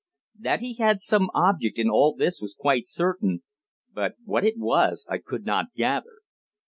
That he had some object in all this was quite certain, but what it was I could not gather.